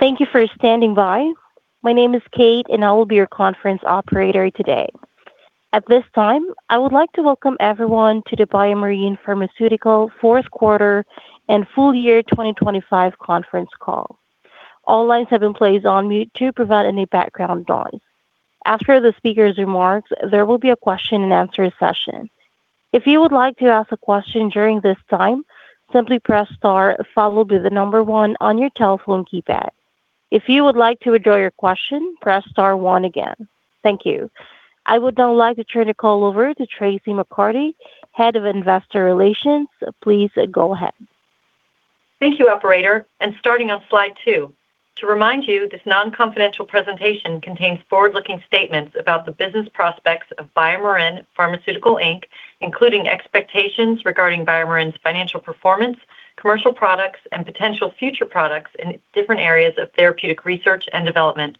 Thank you for standing by. My name is Kate, and I will be your conference operator today. At this time, I would like to welcome everyone to the BioMarin Pharmaceutical fourth quarter and full year 2025 conference call. All lines have been placed on mute to prevent any background noise. After the speaker's remarks, there will be a question and answer session. If you would like to ask a question during this time, simply press star followed by the number one on your telephone keypad. If you would like to withdraw your question, press star one again. Thank you. I would now like to turn the call over to Traci McCarty, Head of Investor Relations. Please go ahead. Thank you, operator, starting on slide two. To remind you, this non-confidential presentation contains forward-looking statements about the business prospects of BioMarin Pharmaceutical Inc, including expectations regarding BioMarin's financial performance, commercial products, and potential future products in different areas of therapeutic research and development.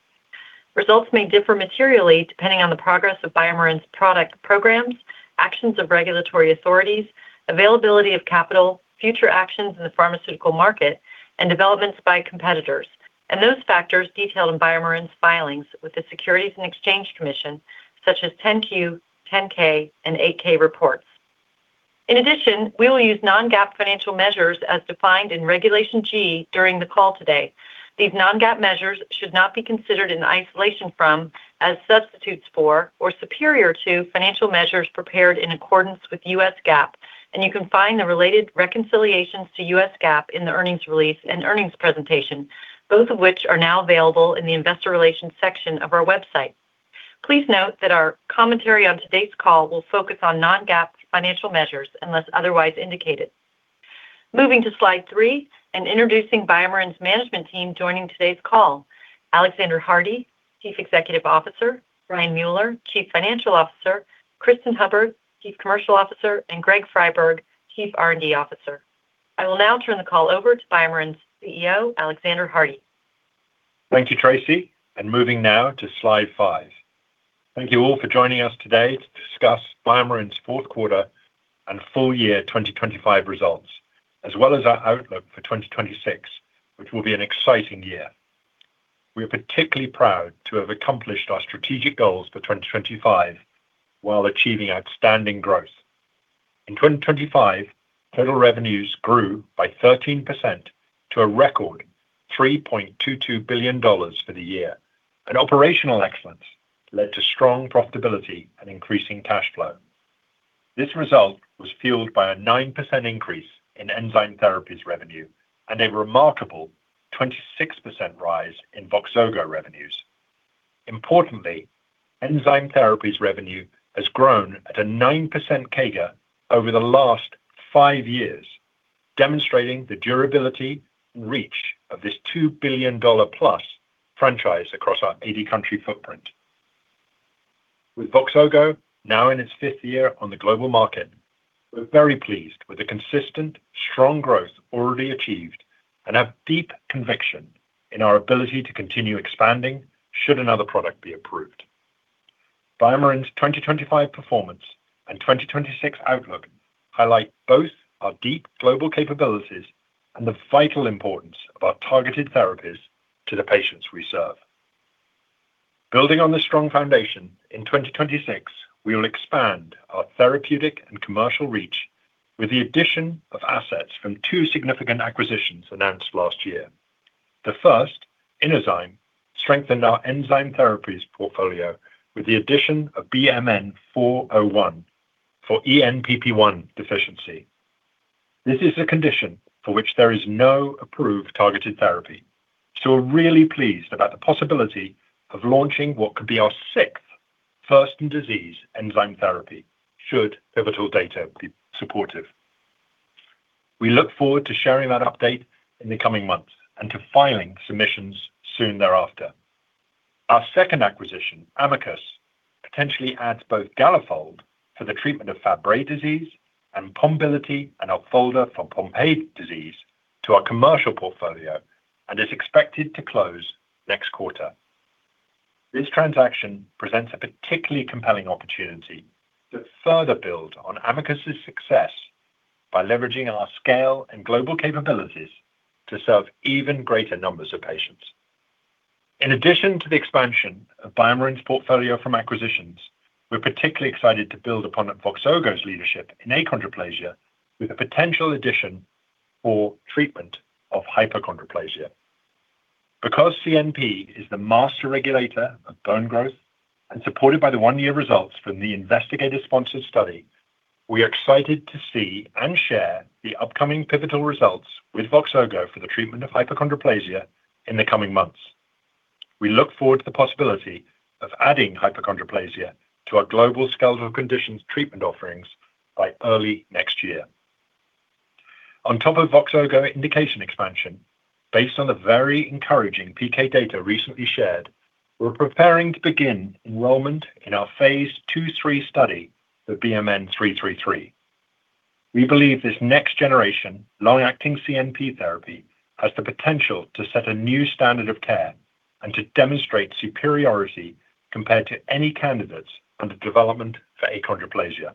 Results may differ materially depending on the progress of BioMarin's product programs, actions of regulatory authorities, availability of capital, future actions in the pharmaceutical market, and developments by competitors, and those factors detailed in BioMarin's filings with the Securities and Exchange Commission, such as 10-Q, 10-K, and 8-K reports. In addition, we will use non-GAAP financial measures as defined in Regulation G during the call today. These non-GAAP measures should not be considered in isolation from, as substitutes for, or superior to financial measures prepared in accordance with US GAAP. You can find the related reconciliations to US GAAP in the earnings release and earnings presentation, both of which are now available in the investor relations section of our website. Please note that our commentary on today's call will focus on non-GAAP financial measures unless otherwise indicated. Moving to slide three and introducing BioMarin's management team joining today's call. Alexander Hardy, Chief Executive Officer, Brian Mueller, Chief Financial Officer, Cristin Hubbard, Chief Commercial Officer, and Greg Friberg, Chief R&D Officer. I will now turn the call over to BioMarin's CEO, Alexander Hardy. Thank you, Tracey. Moving now to slide five. Thank you all for joining us today to discuss BioMarin's fourth quarter and full year 2025 results, as well as our outlook for 2026, which will be an exciting year. We are particularly proud to have accomplished our strategic goals for 2025 while achieving outstanding growth. In 2025, total revenues grew by 13% to a record $3.22 billion for the year, and operational excellence led to strong profitability and increasing cash flow. This result was fueled by a 9% increase in enzyme therapies revenue and a remarkable 26% rise in Voxzogo revenues. Importantly, enzyme therapies revenue has grown at a 9% CAGR over the last five years, demonstrating the durability and reach of this $2 billion-plus franchise across our 80-country footprint. With Voxzogo now in its fifth year on the global market, we're very pleased with the consistent, strong growth already achieved and have deep conviction in our ability to continue expanding should another product be approved. BioMarin's 2025 performance and 2026 outlook highlight both our deep global capabilities and the vital importance of our targeted therapies to the patients we serve. Building on this strong foundation, in 2026, we will expand our therapeutic and commercial reach with the addition of assets from two significant acquisitions announced last year. The first, Inozyme, strengthened our enzyme therapies portfolio with the addition of BMN-401 for ENPP1 deficiency. This is a condition for which there is no approved targeted therapy, we're really pleased about the possibility of launching what could be our sixth first-in-disease enzyme therapy should pivotal data be supportive. We look forward to sharing that update in the coming months and to filing submissions soon thereafter. Our second acquisition, Amicus, potentially adds both Galafold for the treatment of Fabry disease and Pombiliti and Opfolda for Pompe disease to our commercial portfolio, and is expected to close next quarter. This transaction presents a particularly compelling opportunity to further build on Amicus's success by leveraging our scale and global capabilities to serve even greater numbers of patients. In addition to the expansion of BioMarin's portfolio from acquisitions, we're particularly excited to build upon Voxzogo's leadership in achondroplasia with a potential addition for treatment of hypochondroplasia. Because CNP is the master regulator of bone growth and supported by the one-year results from the investigator-sponsored study, we are excited to see and share the upcoming pivotal results with Voxzogo for the treatment of hypochondroplasia in the coming months. We look forward to the possibility of adding hypochondroplasia to our global skeletal conditions treatment offerings by early next year. On top of Voxzogo indication expansion, based on the very encouraging PK data recently shared, we're preparing to begin enrollment in our phase II/III study of BMN 333. We believe this next-generation, long-acting CNP therapy has the potential to set a new standard of care and to demonstrate superiority compared to any candidates under development for achondroplasia.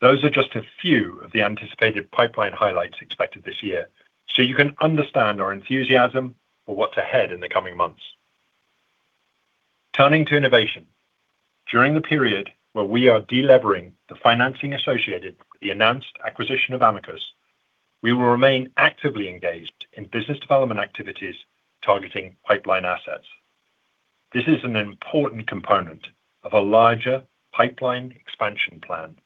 Those are just a few of the anticipated pipeline highlights expected this year, so you can understand our enthusiasm for what's ahead in the coming months. Turning to innovation. During the period where we are de-levering the financing associated with the announced acquisition of Amicus, we will remain actively engaged in business development activities targeting pipeline assets. This is an important component of a larger pipeline expansion plan,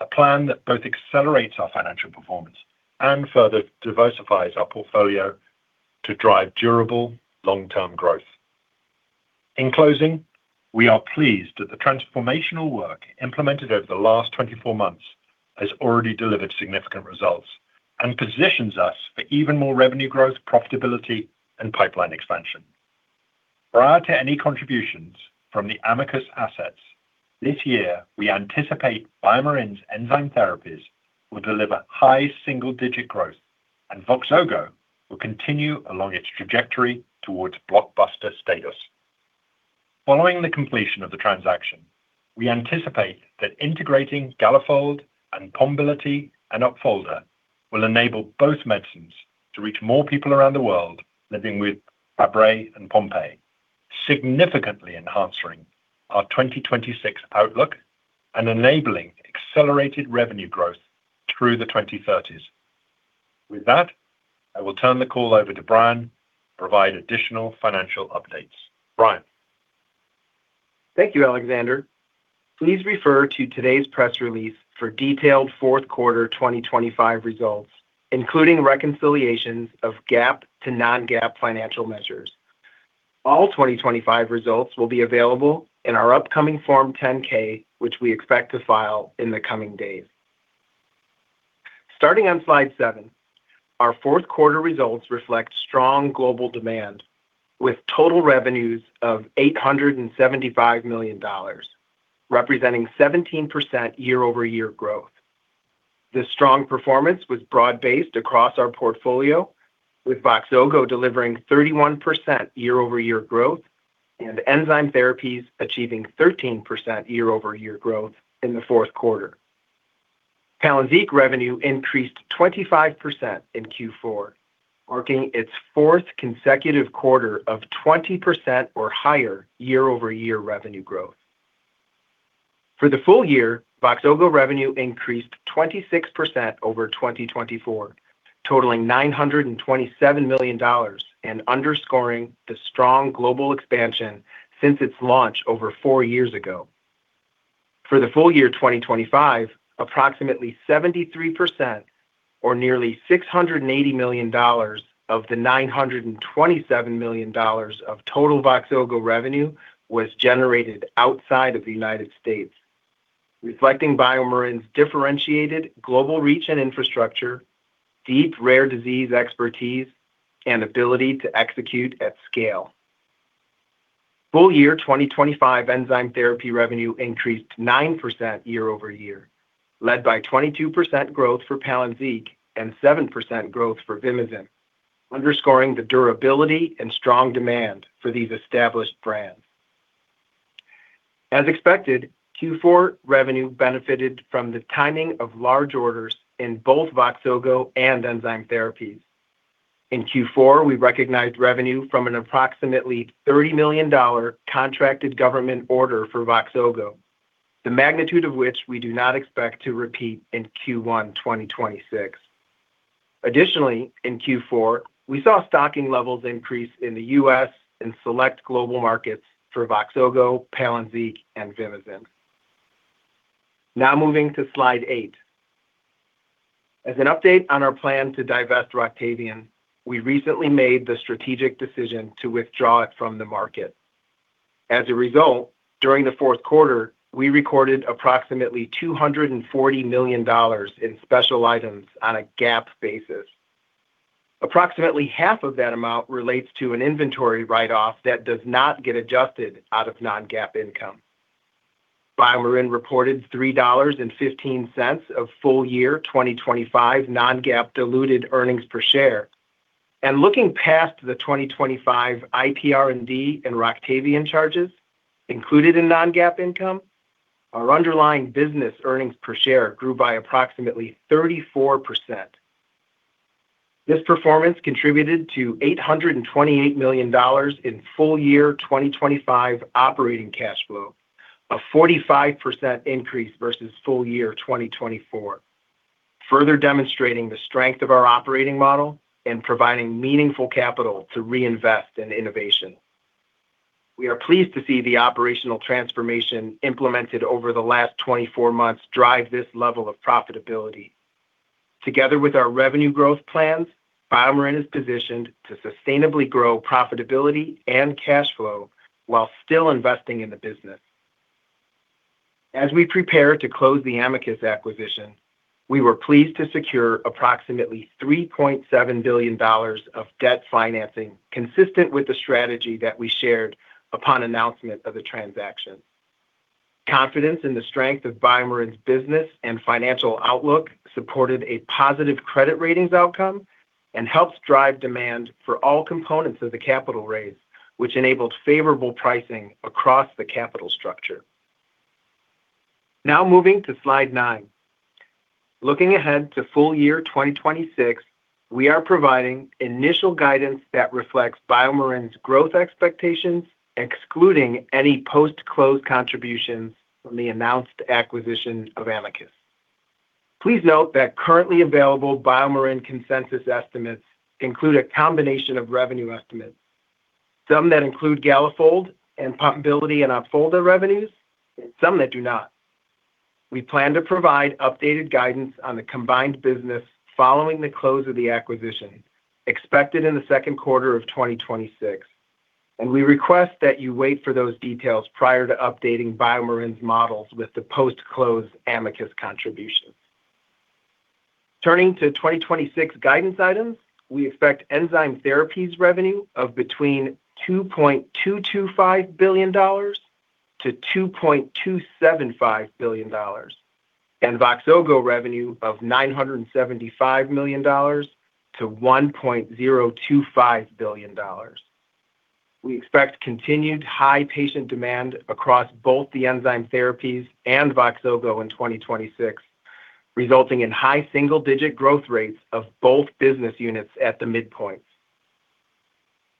a plan that both accelerates our financial performance and further diversifies our portfolio to drive durable long-term growth. In closing, we are pleased that the transformational work implemented over the last 24 months has already delivered significant results and positions us for even more revenue growth, profitability, and pipeline expansion. Prior to any contributions from the Amicus assets, this year, we anticipate BioMarin's enzyme therapies will deliver high single-digit growth, and Voxzogo will continue along its trajectory towards blockbuster status. Following the completion of the transaction, we anticipate that integrating Galafold and Pombiliti and Opfolda will enable both medicines to reach more people around the world living with Fabry and Pompe, significantly enhancing our 2026 outlook and enabling accelerated revenue growth through the 2030s. With that, I will turn the call over to Brian to provide additional financial updates. Brian? Thank you, Alexander. Please refer to today's press release for detailed fourth quarter 2025 results, including reconciliations of GAAP to non-GAAP financial measures. All 2025 results will be available in our upcoming Form 10-K, which we expect to file in the coming days. Starting on slide seven, our fourth quarter results reflect strong global demand, with total revenues of $875 million, representing 17% year-over-year growth. This strong performance was broad-based across our portfolio, with Voxzogo delivering 31% year-over-year growth and enzyme therapies achieving 13% year-over-year growth in the fourth quarter. Palynziq revenue increased 25% in Q4, marking its fourth consecutive quarter of 20% or higher year-over-year revenue growth. For the full year, Voxzogo revenue increased 26% over 2024, totaling $927 million, underscoring the strong global expansion since its launch over four years ago. For the full year 2025, approximately 73% or nearly $680 million of the $927 million of total Voxzogo revenue was generated outside of the United States, reflecting BioMarin's differentiated global reach and infrastructure, deep rare disease expertise, and ability to execute at scale. Full year 2025 enzyme therapy revenue increased 9% year-over-year, led by 22% growth for Palynziq and 7% growth for Vimizim, underscoring the durability and strong demand for these established brands. As expected, Q4 revenue benefited from the timing of large orders in both Voxzogo and enzyme therapies. In Q4, we recognized revenue from an approximately $30 million contracted government order for Voxzogo, the magnitude of which we do not expect to repeat in Q1 2026. Additionally, in Q4, we saw stocking levels increase in the U.S. and select global markets for Voxzogo, Palynziq, and Vimizim. Now moving to slide eight. As an update on our plan to divest Roctavian, we recently made the strategic decision to withdraw it from the market. As a result, during the fourth quarter, we recorded approximately $240 million in special items on a GAAP basis. Approximately half of that amount relates to an inventory write-off that does not get adjusted out of non-GAAP income. BioMarin reported $3.15 of full-year 2025 non-GAAP diluted earnings per share. Looking past the 2025 IPRD and Roctavian charges included in non-GAAP income, our underlying business earnings per share grew by approximately 34%. This performance contributed to $828 million in full-year 2025 operating cash flow, a 45% increase versus full year 2024, further demonstrating the strength of our operating model and providing meaningful capital to reinvest in innovation. We are pleased to see the operational transformation implemented over the last 24 months drive this level of profitability. Together with our revenue growth plans, BioMarin is positioned to sustainably grow profitability and cash flow while still investing in the business. As we prepare to close the Amicus acquisition, we were pleased to secure approximately $3.7 billion of debt financing, consistent with the strategy that we shared upon announcement of the transaction. Confidence in the strength of BioMarin's business and financial outlook supported a positive credit ratings outcome. Helps drive demand for all components of the capital raise, which enabled favorable pricing across the capital structure. Moving to slide nine. Looking ahead to full year 2026, we are providing initial guidance that reflects BioMarin's growth expectations, excluding any post-close contributions from the announced acquisition of Amicus. Please note that currently available BioMarin consensus estimates include a combination of revenue estimates, some that include Galafold and Pombiliti and Opfolda revenues, and some that do not. We plan to provide updated guidance on the combined business following the close of the acquisition, expected in the second quarter of 2026. We request that you wait for those details prior to updating BioMarin's models with the post-close Amicus contribution. Turning to 2026 guidance items, we expect enzyme therapies revenue of between $2.225 billion and $2.275 billion, and Voxzogo revenue of between $975 million and $1.025 billion. We expect continued high patient demand across both the enzyme therapies and Voxzogo in 2026, resulting in high single-digit growth rates of both business units at the midpoint.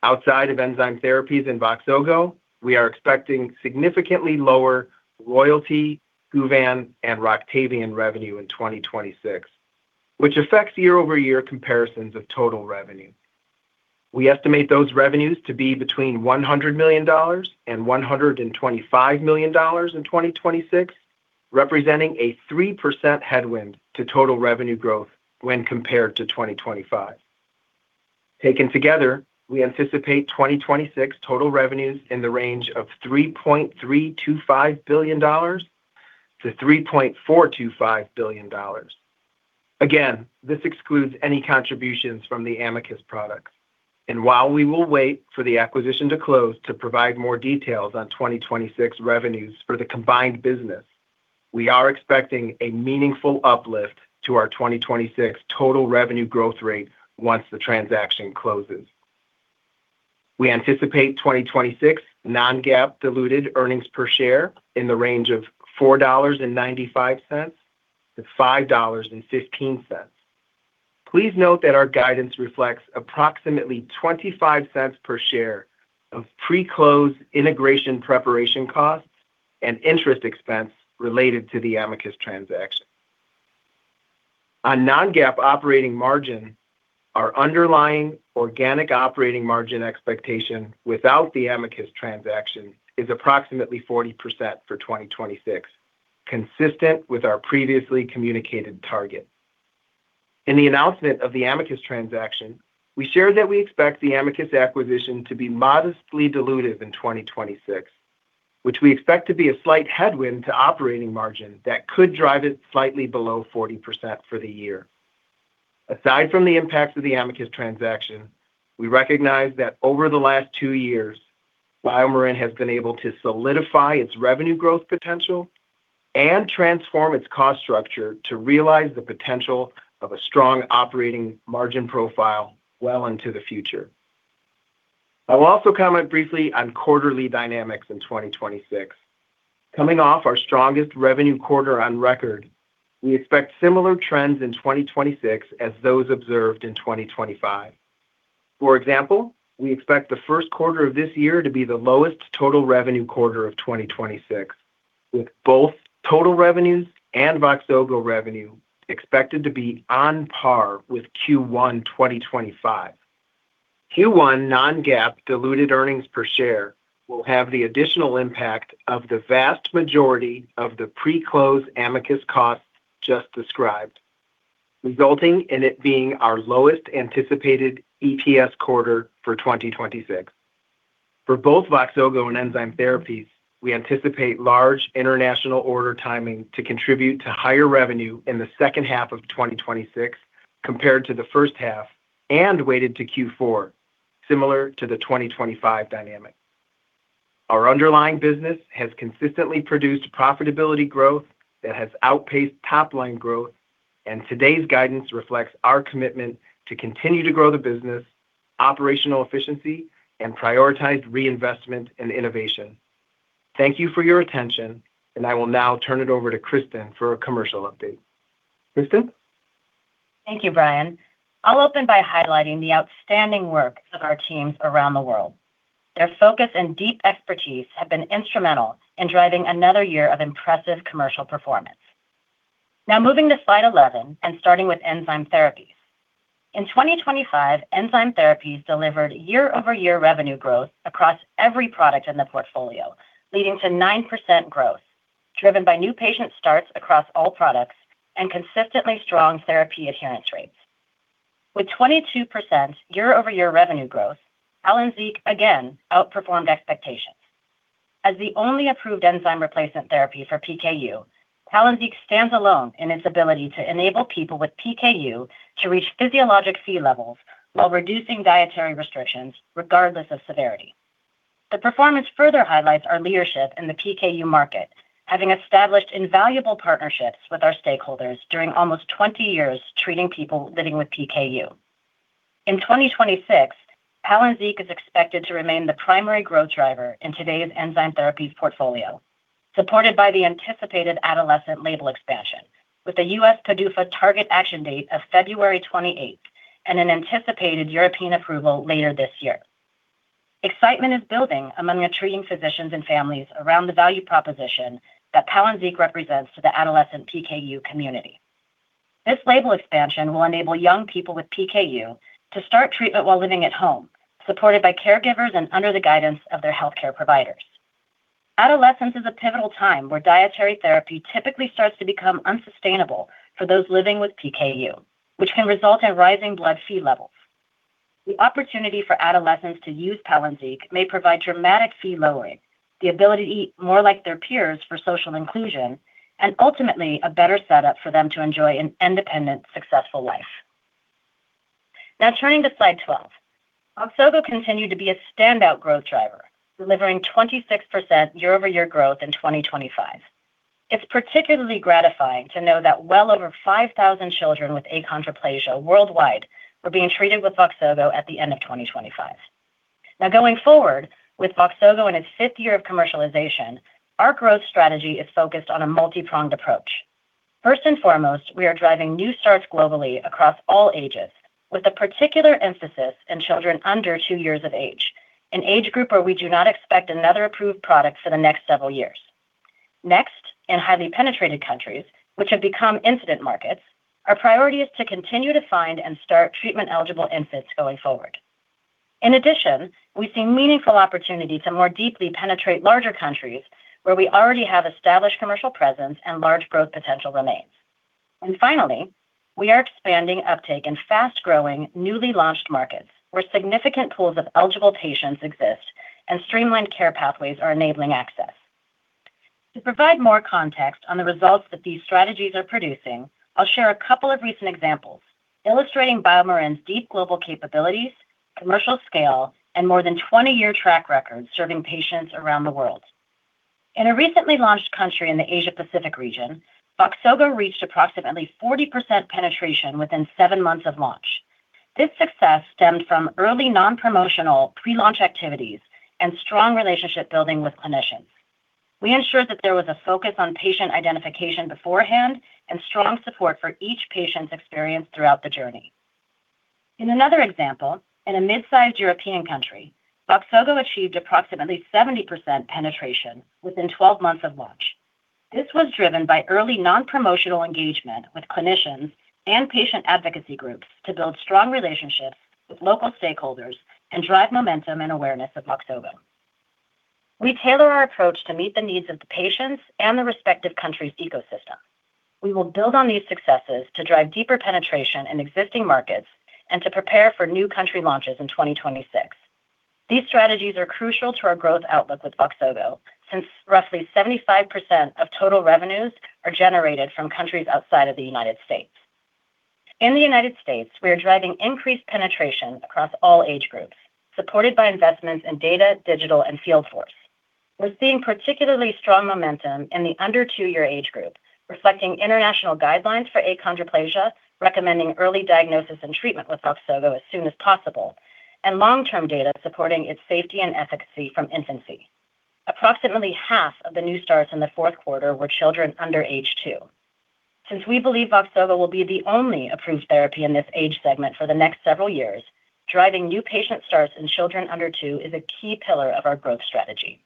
Outside of enzyme therapies and Voxzogo, we are expecting significantly lower royalty, Kuvan, and Roctavian revenue in 2026, which affects year-over-year comparisons of total revenue. We estimate those revenues to be between $100 million and $125 million in 2026, representing a 3% headwind to total revenue growth when compared to 2025. Taken together, we anticipate 2026 total revenues in the range of $3.325 billion-$3.425 billion. Again, this excludes any contributions from the Amicus products. While we will wait for the acquisition to close to provide more details on 2026 revenues for the combined business, we are expecting a meaningful uplift to our 2026 total revenue growth rate once the transaction closes. We anticipate 2026 non-GAAP diluted earnings per share in the range of $4.95-$5.15. Please note that our guidance reflects approximately $0.25 per share of pre-close integration preparation costs and interest expense related to the Amicus transaction. On non-GAAP operating margin, our underlying organic operating margin expectation without the Amicus transaction is approximately 40% for 2026, consistent with our previously communicated target. In the announcement of the Amicus transaction, we shared that we expect the Amicus acquisition to be modestly dilutive in 2026, which we expect to be a slight headwind to operating margin that could drive it slightly below 40% for the year. Aside from the impacts of the Amicus transaction, we recognize that over the last two years, BioMarin has been able to solidify its revenue growth potential and transform its cost structure to realize the potential of a strong operating margin profile well into the future. I will also comment briefly on quarterly dynamics in 2026. Coming off our strongest revenue quarter on record, we expect similar trends in 2026 as those observed in 2025. For example, we expect the 1st quarter of this year to be the lowest total revenue quarter of 2026, with both total revenues and Voxzogo revenue expected to be on par with Q1 2025. Q1 non-GAAP diluted earnings per share will have the additional impact of the vast majority of the pre-close Amicus costs just described, resulting in it being our lowest anticipated EPS quarter for 2026. For both Voxzogo and enzyme therapies, we anticipate large international order timing to contribute to higher revenue in the 2nd half of 2026 compared to the 1st half and weighted to Q4, similar to the 2025 dynamic. Our underlying business has consistently produced profitability growth that has outpaced top-line growth, and today's guidance reflects our commitment to continue to grow the business, operational efficiency, and prioritize reinvestment and innovation. Thank you for your attention, and I will now turn it over to Cristin for a commercial update, Cristin? Thank you, Brian. I'll open by highlighting the outstanding work of our teams around the world. Their focus and deep expertise have been instrumental in driving another year of impressive commercial performance. Moving to slide 11 and starting with enzyme therapies. In 2025, enzyme therapies delivered year-over-year revenue growth across every product in the portfolio, leading to 9% growth, driven by new patient starts across all products and consistently strong therapy adherence rates. With 22% year-over-year revenue growth, Palynziq again outperformed expectations. As the only approved enzyme replacement therapy for PKU, Palynziq stands alone in its ability to enable people with PKU to reach physiologic Phe levels while reducing dietary restrictions, regardless of severity. The performance further highlights our leadership in the PKU market, having established invaluable partnerships with our stakeholders during almost 20 years treating people living with PKU. In 2026, Palynziq is expected to remain the primary growth driver in today's enzyme therapy portfolio, supported by the anticipated adolescent label expansion, with a US PDUFA target action date of February 28th and an anticipated European approval later this year. Excitement is building among the treating physicians and families around the value proposition that Palynziq represents to the adolescent PKU community. This label expansion will enable young people with PKU to start treatment while living at home, supported by caregivers and under the guidance of their healthcare providers. Adolescence is a pivotal time where dietary therapy typically starts to become unsustainable for those living with PKU, which can result in rising blood Phe levels. The opportunity for adolescents to use Palynziq may provide dramatic Phe lowering, the ability to eat more like their peers for social inclusion, and ultimately a better setup for them to enjoy an independent, successful life. Now, turning to slide 12. Voxzogo continued to be a standout growth driver, delivering 26% year-over-year growth in 2025. It's particularly gratifying to know that well over 5,000 children with achondroplasia worldwide were being treated with Voxzogo at the end of 2025. Now, going forward with Voxzogo in its fifth year of commercialization, our growth strategy is focused on a multi-pronged approach. First and foremost, we are driving new starts globally across all ages, with a particular emphasis in children under two years of age, an age group where we do not expect another approved product for the next several years. Next, in highly penetrated countries, which have become incident markets, our priority is to continue to find and start treatment-eligible infants going forward. In addition, we see meaningful opportunity to more deeply penetrate larger countries where we already have established commercial presence and large growth potential remains. Finally, we are expanding uptake in fast-growing, newly launched markets where significant pools of eligible patients exist and streamlined care pathways are enabling access. To provide more context on the results that these strategies are producing, I'll share a couple of recent examples illustrating BioMarin's deep global capabilities, commercial scale, and more than 20-year track record serving patients around the world. In a recently launched country in the Asia Pacific region, Voxzogo reached approximately 40% penetration within 7 months of launch. This success stemmed from early non-promotional pre-launch activities and strong relationship building with clinicians. We ensured that there was a focus on patient identification beforehand and strong support for each patient's experience throughout the journey. In another example, in a mid-sized European country, Voxzogo achieved approximately 70% penetration within 12 months of launch. This was driven by early non-promotional engagement with clinicians and patient advocacy groups to build strong relationships with local stakeholders and drive momentum and awareness of Voxzogo. We tailor our approach to meet the needs of the patients and the respective country's ecosystem. We will build on these successes to drive deeper penetration in existing markets and to prepare for new country launches in 2026. These strategies are crucial to our growth outlook with Voxzogo, since roughly 75% of total revenues are generated from countries outside of the United States. In the United States, we are driving increased penetration across all age groups, supported by investments in data, digital, and field force. We're seeing particularly strong momentum in the under 2-year age group, reflecting international guidelines for achondroplasia, recommending early diagnosis and treatment with Voxzogo as soon as possible, and long-term data supporting its safety and efficacy from infancy. Approximately half of the new starts in the 4th quarter were children under age 2. Since we believe Voxzogo will be the only approved therapy in this age segment for the next several years, driving new patient starts in children under 2 is a key pillar of our growth strategy.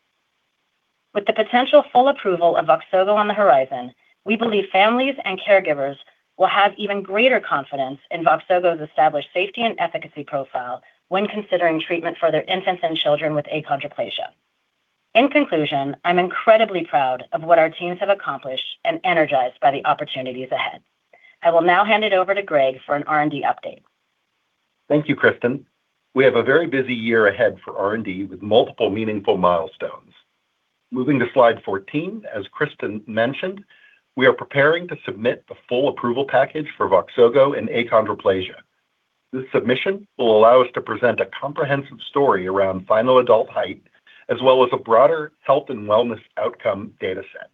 With the potential full approval of Voxzogo on the horizon, we believe families and caregivers will have even greater confidence in Voxzogo's established safety and efficacy profile when considering treatment for their infants and children with achondroplasia. In conclusion, I'm incredibly proud of what our teams have accomplished and energized by the opportunities ahead. I will now hand it over to Greg for an R&D update. Thank you, Cristin. We have a very busy year ahead for R&D, with multiple meaningful milestones. Moving to slide 14, as Cristin mentioned, we are preparing to submit the full approval package for Voxzogo in achondroplasia. This submission will allow us to present a comprehensive story around final adult height, as well as a broader health and wellness outcome data set.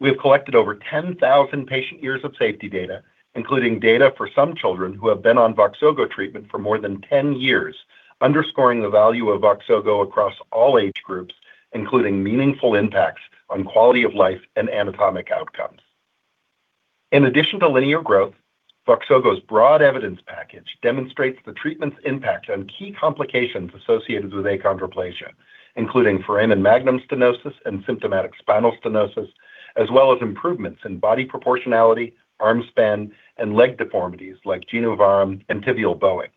We have collected over 10,000 patient years of safety data, including data for some children who have been on Voxzogo treatment for more than 10 years, underscoring the value of Voxzogo across all age groups, including meaningful impacts on quality of life and anatomic outcomes. In addition to linear growth, Voxzogo's broad evidence package demonstrates the treatment's impact on key complications associated with achondroplasia, including foramen magnum stenosis and symptomatic spinal stenosis, as well as improvements in body proportionality, arm span, and leg deformities like genu varum and tibial bowing.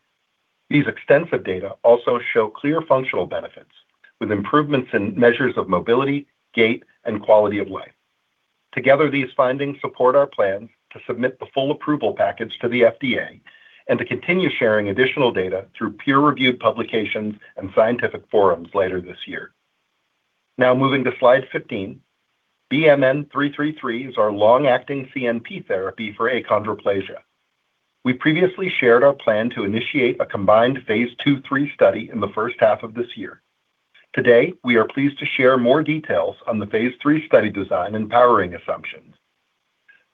These extensive data also show clear functional benefits, with improvements in measures of mobility, gait, and quality of life. Together, these findings support our plan to submit the full approval package to the FDA and to continue sharing additional data through peer-reviewed publications and scientific forums later this year. Now moving to slide 15, BMN 333 is our long acting CNP therapy for achondroplasia. We previously shared our plan to initiate a combined phase II/III study in the first half of this year. Today, we are pleased to share more details on the phase III study design and powering assumptions.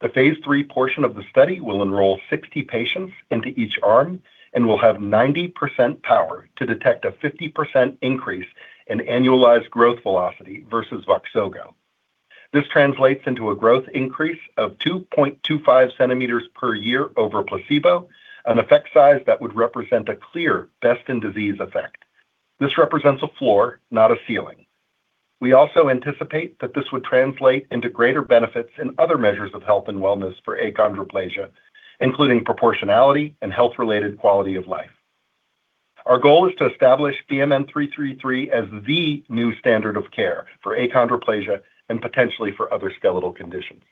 The phase III portion of the study will enroll 60 patients into each arm and will have 90% power to detect a 50% increase in annualized growth velocity versus Voxzogo. This translates into a growth increase of 2.25 centimeters per year over placebo, an effect size that would represent a clear best in disease effect. This represents a floor, not a ceiling. We also anticipate that this would translate into greater benefits in other measures of health and wellness for achondroplasia, including proportionality and health-related quality of life. Our goal is to establish BMN 333 as the new standard of care for achondroplasia and potentially for other skeletal conditions.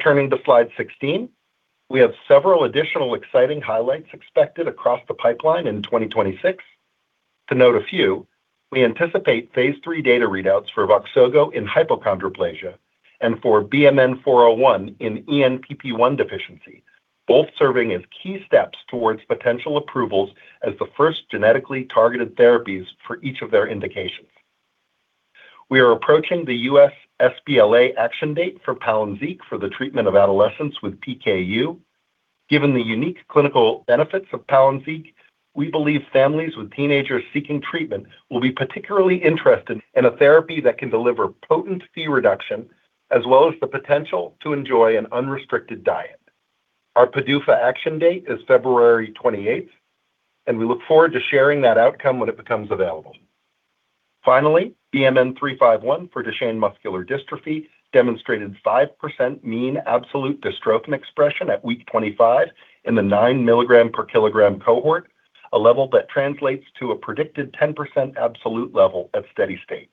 Turning to slide 16, we have several additional exciting highlights expected across the pipeline in 2026. To note a few, we anticipate phase III data readouts for Voxzogo in hypochondroplasia and for BMN 401 in ENPP1 deficiency, both serving as key steps towards potential approvals as the first genetically targeted therapies for each of their indications. We are approaching the US sBLA action date for Palynziq for the treatment of adolescents with PKU. Given the unique clinical benefits of Palynziq, we believe families with teenagers seeking treatment will be particularly interested in a therapy that can deliver potent Phe reduction, as well as the potential to enjoy an unrestricted diet. Our PDUFA action date is February 28, we look forward to sharing that outcome when it becomes available. Finally, BMN 351 for Duchenne muscular dystrophy demonstrated 5% mean absolute dystrophin expression at week 25 in the 9 milligram per kilogram cohort, a level that translates to a predicted 10% absolute level at steady state.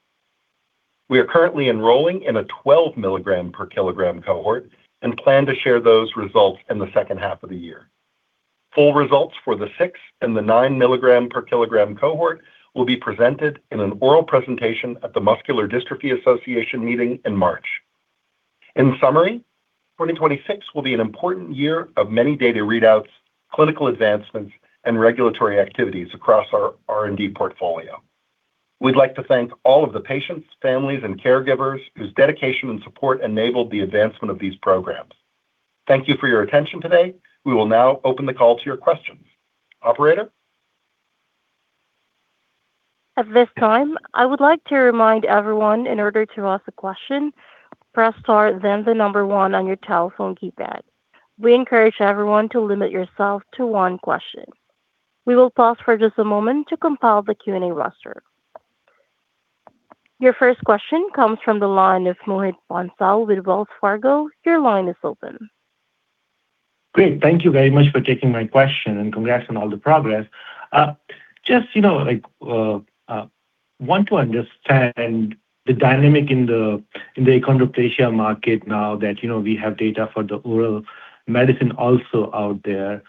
We are currently enrolling in a 12 milligram per kilogram cohort and plan to share those results in the second half of the year. Full results for the 6 and the 9 milligram per kilogram cohort will be presented in an oral presentation at the Muscular Dystrophy Association meeting in March. In summary, 2026 will be an important year of many data readouts, clinical advancements, and regulatory activities across our R&D portfolio. We'd like to thank all of the patients, families, and caregivers whose dedication and support enabled the advancement of these programs. Thank you for your attention today. We will now open the call to your questions. Operator? At this time, I would like to remind everyone in order to ask a question, press star, then the number 1 on your telephone keypad. We encourage everyone to limit yourself to one question. We will pause for just a moment to compile the Q&A roster. Your first question comes from the line of Mohit Bansal with Wells Fargo. Your line is open. Great. Thank you very much for taking my question. Congrats on all the progress. Just, you know, like, want to understand the dynamic in the achondroplasia market now that, you know, we have data for the oral medicine also out there.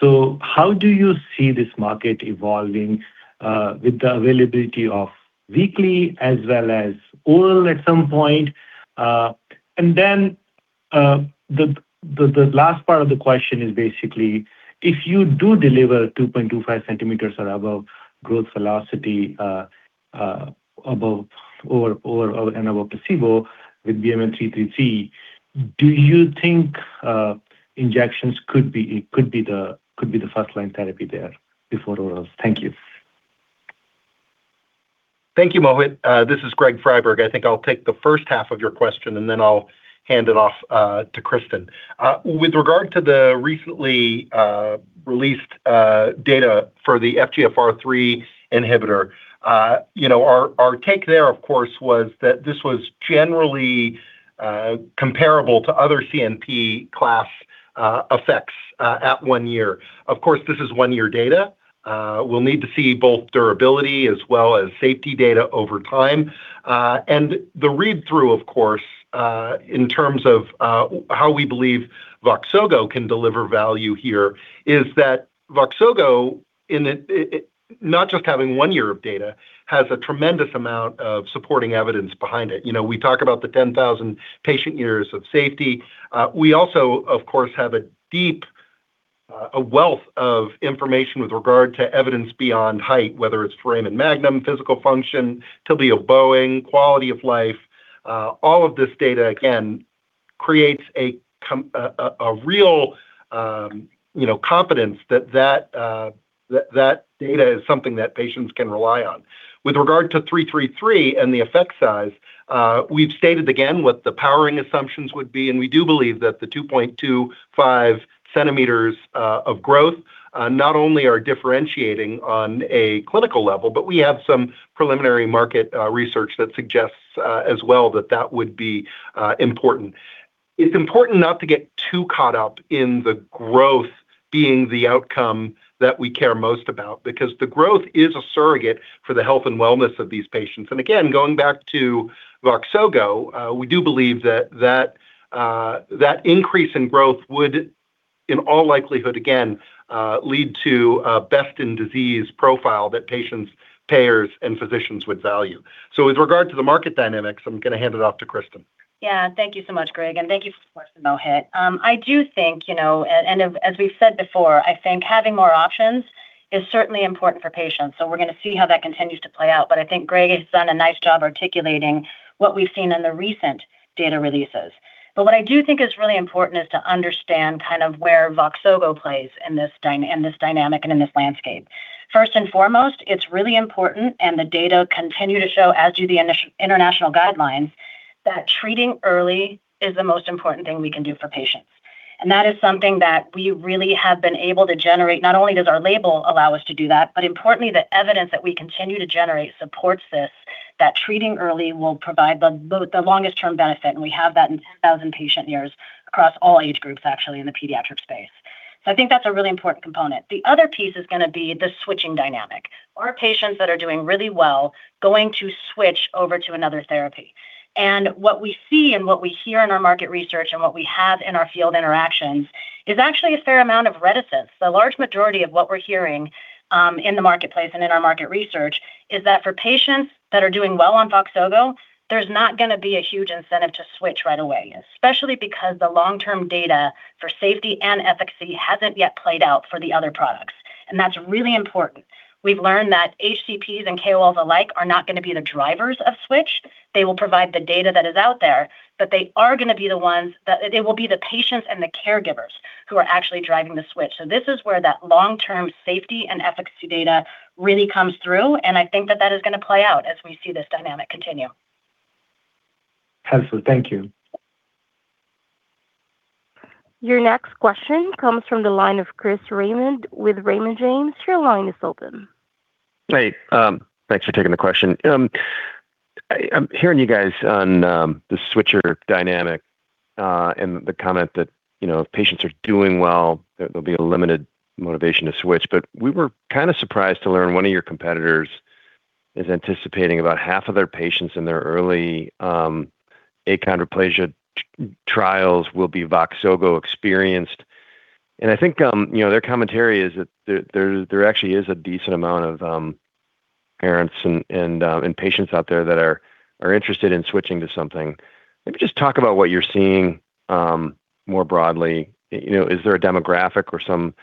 How do you see this market evolving with the availability of weekly as well as oral at some point? Then, the last part of the question is basically, if you do deliver 2.25 centimeters or above growth velocity, above or, and above placebo with BMN 333, do you think injections could be the first-line therapy there before orals? Thank you. Thank you, Mohit. This is Greg Friberg. I think I'll take the first half of your question, and then I'll hand it off to Cristin. With regard to the recently released data for the FGFR3 inhibitor, our take there, of course, was that this was generally comparable to other CNP class effects at one year. Of course, this is one-year data. We'll need to see both durability as well as safety data over time. The read-through, of course, in terms of how we believe Voxzogo can deliver value here is that Voxzogo in it, not just having one year of data, has a tremendous amount of supporting evidence behind it. We talk about the 10,000 patient years of safety. We also, of course, have a deep, a wealth of information with regard to evidence beyond height, whether it's for Foramen Magnum, physical function, tibial bowing, quality of life. All of this data, again, creates a real, you know, confidence that, that, that data is something that patients can rely on. With regard to BMN 333 and the effect size, we've stated again what the powering assumptions would be, and we do believe that the 2.25 centimeters of growth not only are differentiating on a clinical level, but we have some preliminary market research that suggests as well, that that would be important. It's important not to get too caught up in the growth being the outcome that we care most about, because the growth is a surrogate for the health and wellness of these patients. Again, going back to Voxzogo, we do believe that, that, that increase in growth in all likelihood, again, lead to a best in disease profile that patients payers and physicians would value. With regard to the market dynamics, I'm going to hand it off to Cristin. Yeah, thank you so much, Greg, and thank you for the Mohit. I do think, you know, and as we've said before, I think having more options is certainly important for patients. We're going to see how that continues to play out. I think Greg has done a nice job articulating what we've seen in the recent data releases. What I do think is really important is to understand kind of where Voxzogo plays in this dynamic and in this landscape. First and foremost, it's really important, and the data continue to show, as do the international guidelines, that treating early is the most important thing we can do for patients. That is something that we really have been able to generate. Not only does our label allow us to do that, but importantly, the evidence that we continue to generate supports this, that treating early will provide the, the, the longest term benefit, and we have that in 10,000 patient years across all age groups, actually in the pediatric space. I think that's a really important component. The other piece is going to be the switching dynamic or patients that are doing really well, going to switch over to another therapy. What we see and what we hear in our market research and what we have in our field interactions is actually a fair amount of reticence. The large majority of what we're hearing in the marketplace and in our market research is that for patients that are doing well on Voxzogo, there's not going to be a huge incentive to switch right away, especially because the long-term data for safety and efficacy hasn't yet played out for the other products, and that's really important. We've learned that HCPs and KOLs alike are not going to be the drivers of switch. They will provide the data that is out there, but they are going to be the ones, the patients and the caregivers who are actually driving the switch. This is where that long-term safety and efficacy data really comes through, and I think that that is going to play out as we see this dynamic continue. Absolutely. Thank you. Your next question comes from the line of Chris Raymond with Raymond James. Your line is open. Hey, thanks for taking the question. I, I'm hearing you guys on the switcher dynamic, and the comment that, you know, if patients are doing well, there, there'll be a limited motivation to switch. We were kind of surprised to learn one of your competitors is anticipating about half of their patients in their early achondroplasia trials will be Voxzogo experienced. I think, you know, their commentary is that there, there, there actually is a decent amount of parents and, and patients out there that are, are interested in switching to something. Let me just talk about what you're seeing more broadly. You know, is there a demographic or some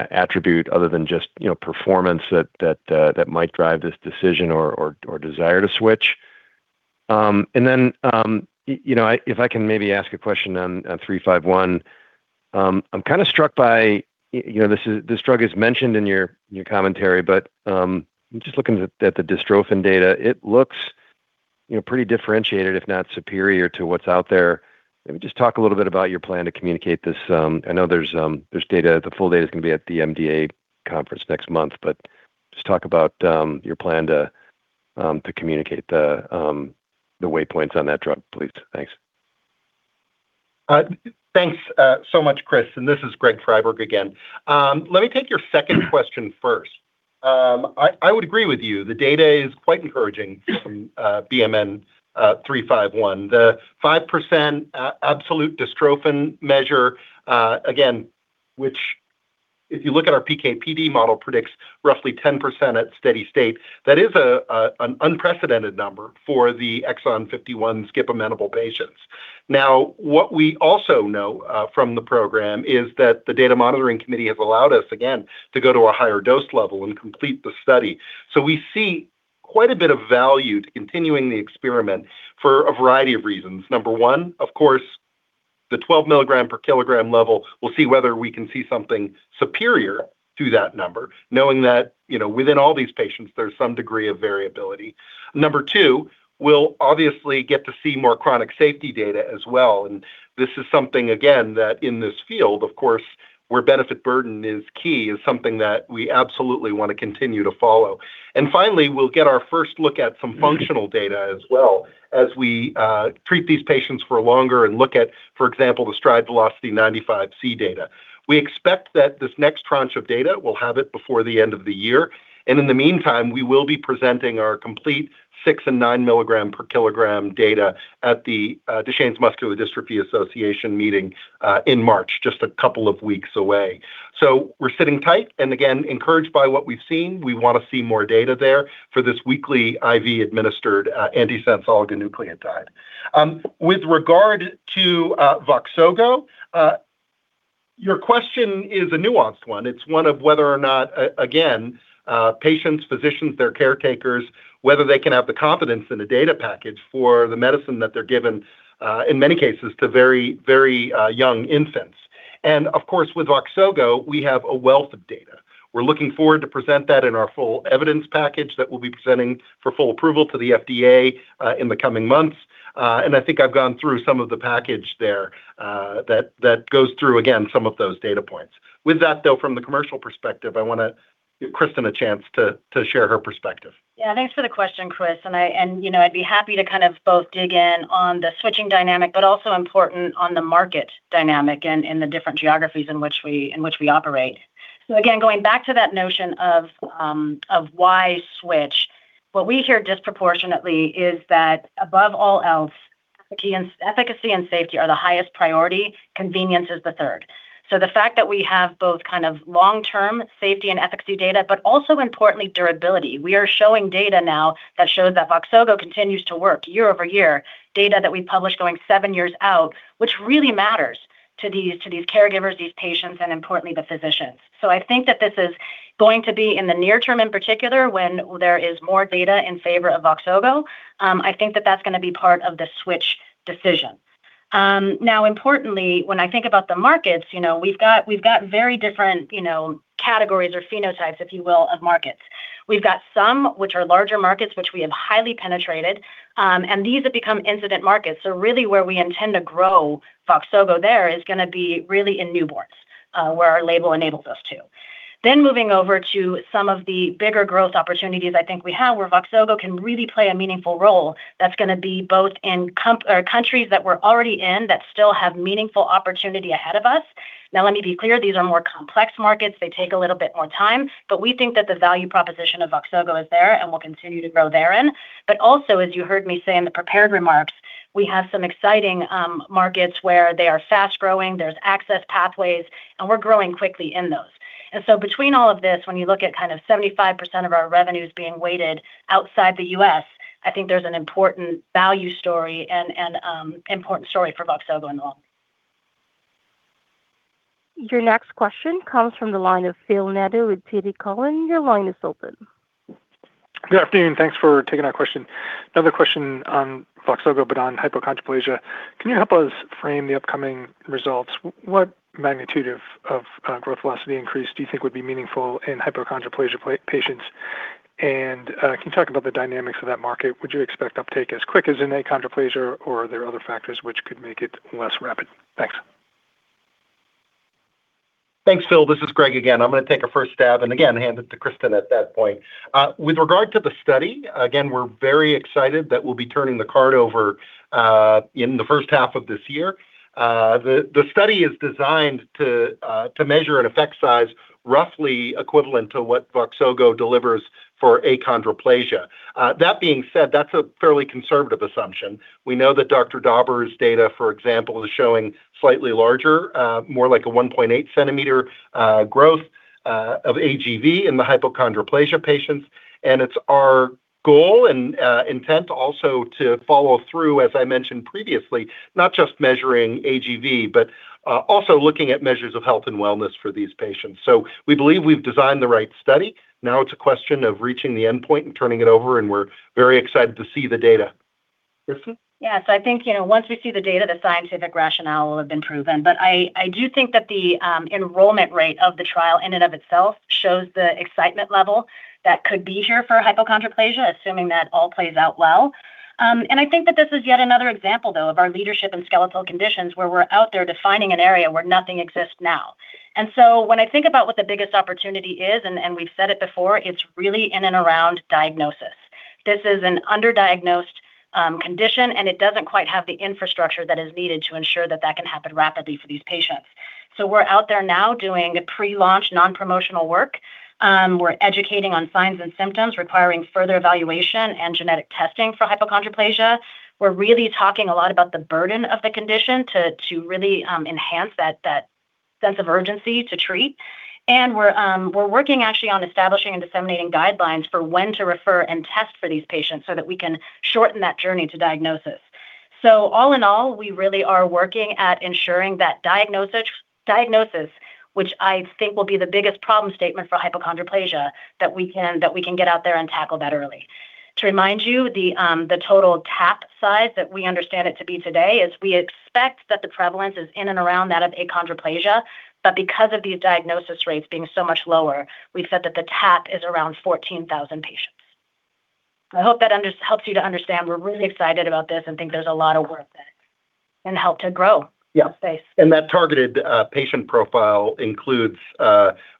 attribute other than just, you know, performance that, that might drive this decision or, or, or desire to switch? You know, I, if I can maybe ask a question on BMN 351. I'm kind of struck by, you know, this is-- this drug is mentioned in your, your commentary, but just looking at the dystrophin data, it looks, you know, pretty differentiated, if not superior to what's out there. Let me just talk a little bit about your plan to communicate this. I know there's data. The full data is going to be at the MDA conference next month, but just talk about your plan to communicate the way points on that drug, please. Thanks. Thanks so much, Chris. This is Greg Friberg again. Let me take your second question first. I, I would agree with you. The data is quite encouraging from BMN 351. The 5% absolute dystrophin measure, again, which if you look at our PK/PD model, predicts roughly 10% at steady state. That is a, a, an unprecedented number for the exon 51 skip amenable patients. Now, what we also know from the program is that the data monitoring committee has allowed us again, to go to a higher dose level and complete the study. We see quite a bit of value to continuing the experiment for a variety of reasons. Number one, of course, the 12 milligram per kilogram level, we'll see whether we can see something superior to that number, knowing that, you know, within all these patients, there's some degree of variability. Number two, we'll obviously get to see more chronic safety data as well. This is something, again, that in this field, of course, where benefit burden is key, is something that we absolutely want to continue to follow. Finally, we'll get our first look at some functional data as well as we treat these patients for longer and look at, for example, the Stride Velocity 95th Centile data. We expect that this next tranche of data will have it before the end of the year. In the meantime, we will be presenting our complete 6 and 9 milligram per kilogram data at the Duchenne Muscular Dystrophy Association meeting in March, just a couple of weeks away. We're sitting tight and again, encouraged by what we've seen. We want to see more data there for this weekly IV-administered antisense oligonucleotide. With regard to Voxzogo, your question is a nuanced one. It's one of whether or not again, patients, physicians, their caretakers, whether they can have the confidence in the data package for the medicine that they're given in many cases, to very, very young infants. Of course, with Voxzogo, we have a wealth of data. We're looking forward to present that in our full evidence package that we'll be presenting for full approval to the FDA in the coming months. I think I've gone through some of the package there that, that goes through, again, some of those data points. With that, though, from the commercial perspective, I want to give Cristin a chance to, to share her perspective. Yeah, thanks for the question, Chris Raymond, and you know, I'd be happy to kind of both dig in on the switching dynamic, but also important on the market dynamic and the different geographies in which we, in which we operate. Going back to that notion of why switch? What we hear disproportionately is that above all else, efficacy and safety are the highest priority, convenience is the third. The fact that we have both kind of long-term safety and efficacy data, but also importantly, durability. We are showing data now that shows that Voxzogo continues to work year-over-year, data that we published going seven years out, which really matters to these, to these caregivers, these patients, and importantly, the physicians. I think that this is going to be in the near term, in particular, when there is more data in favor of Voxzogo, I think that that's going to be part of the switch decision. Now, importantly, when I think about the markets, you know, we've got, we've got very different, you know, categories or phenotypes, if you will, of markets. We've got some which are larger markets, which we have highly penetrated, and these have become incident markets. Really, where we intend to grow Voxzogo there is going to be really in newborns, where our label enables us to. Moving over to some of the bigger growth opportunities I think we have, where Voxzogo can really play a meaningful role, that's going to be both in or countries that we're already in that still have meaningful opportunity ahead of us. Now, let me be clear, these are more complex markets. They take a little bit more time. We think that the value proposition of Voxzogo is there and will continue to grow therein. Also, as you heard me say in the prepared remarks, we have some exciting markets where they are fast-growing, there's access pathways, and we're growing quickly in those. Between all of this, when you look at kind of 75% of our revenues being weighted outside the U.S., I think there's an important value story and, and important story for Voxzogo and all. Your next question comes from the line of Phil Nadeau with TD Cowen. Your line is open. Good afternoon, thanks for taking our question. Another question on Voxzogo, but on hypochondroplasia. Can you help us frame the upcoming results? What magnitude of growth velocity increase do you think would be meaningful in hypochondroplasia patients? Can you talk about the dynamics of that market? Would you expect uptake as quick as in achondroplasia, or are there other factors which could make it less rapid? Thanks. Thanks, Phil. This is Greg again. I'm going to take a first stab and again, hand it to Cristin at that point. With regard to the study, again, we're very excited that we'll be turning the card over in the first half of this year. The study is designed to measure an effect size roughly equivalent to what Voxzogo delivers for achondroplasia. That being said, that's a fairly conservative assumption. We know that Dr. Dobber's data, for example, is showing slightly larger, more like a 1.8 centimeter growth of AGV in the hypochondroplasia patients. It's our goal and intent also to follow through, as I mentioned previously, not just measuring AGV, but also looking at measures of health and wellness for these patients. We believe we've designed the right study. It's a question of reaching the endpoint and turning it over, and we're very excited to see the data. Cristin? Yes, I think, you know, once we see the data, the scientific rationale will have been proven. But I, I do think that the enrollment rate of the trial in and of itself shows the excitement level that could be here for hypochondroplasia, assuming that all plays out well. I think that this is yet another example, though, of our leadership in skeletal conditions, where we're out there defining an area where nothing exists now. When I think about what the biggest opportunity is, and, and we've said it before, it's really in and around diagnosis. This is an underdiagnosed condition, and it doesn't quite have the infrastructure that is needed to ensure that that can happen rapidly for these patients. We're out there now doing pre-launch, non-promotional work. We're educating on signs and symptoms requiring further evaluation and genetic testing for hypochondroplasia. We're really talking a lot about the burden of the condition to, to really, enhance that, that sense of urgency to treat. We're, we're working actually on establishing and disseminating guidelines for when to refer and test for these patients so that we can shorten that journey to diagnosis. All in all, we really are working at ensuring that diagnosis, diagnosis, which I think will be the biggest problem statement for hypochondroplasia, that we can, that we can get out there and tackle that early. To remind you, the, the total tap size that we understand it to be today is we expect that the prevalence is in and around that of achondroplasia, but because of these diagnosis rates being so much lower, we've said that the tap is around 14,000 patients. I hope that helps you to understand we're really excited about this and think there's a lot of work there and help to grow- Yeah. The space. That targeted patient profile includes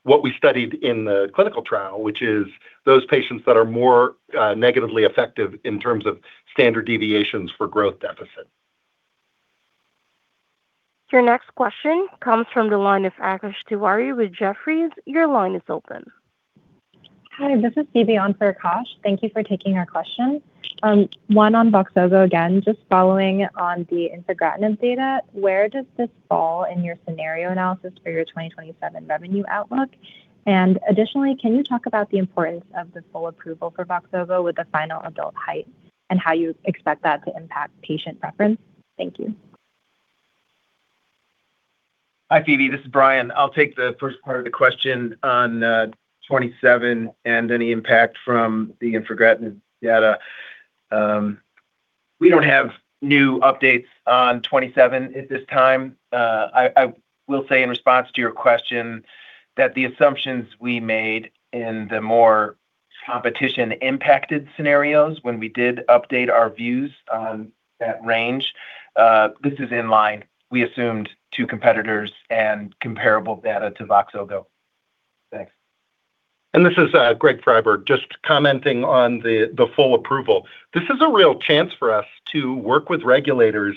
what we studied in the clinical trial, which is those patients that are more negatively effective in terms of standard deviations for growth deficit. Your next question comes from the line of Akash Tewari with Jefferies. Your line is open. Hi, this is Phoebe on for Akash. Thank you for taking our question. One on Voxzogo, again, just following on the infigratinib data, where does this fall in your scenario analysis for your 2027 revenue outlook? Additionally, can you talk about the importance of the full approval for Voxzogo with the final adult height and how you expect that to impact patient preference? Thank you. Hi, Phoebe, this is Brian. I'll take the first part of the question on 27 and any impact from the infigratinib data. We don't have new updates on 27 at this time. I, I will say in response to your question, that the assumptions we made in the more competition impacted scenarios when we did update our views on that range, this is in line. We assumed 2 competitors and comparable data to Voxzogo. Thanks. This is Greg Friberg, just commenting on the full approval. This is a real chance for us to work with regulators